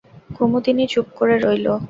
কুমুদিনী চুপ করে রইল।